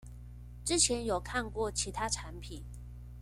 之前有看過其他產品